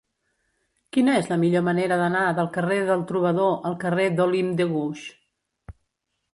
Quina és la millor manera d'anar del carrer del Trobador al carrer d'Olympe de Gouges?